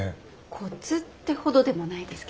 コツってほどでもないですけど。